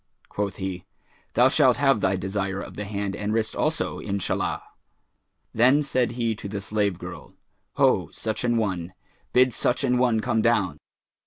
Quoth he, 'Thou shalt have thy desire of the hand and wrist also, Inshallah!' Then said he to the slave girl, 'Ho, such an one, bid such an one come down.'